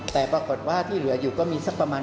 แต่ปรากฏว่าที่เหลืออยู่ก็มีสักประมาณ